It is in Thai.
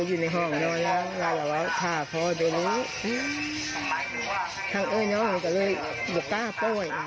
ดูกันให้ใกล้ชิดนะครับเดี๋ยวฟังเสียงหน่อยครับ